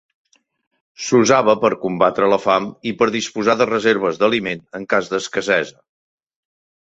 S'usava per combatre la fam i per disposar de reserves d'aliment en cas d'escassesa.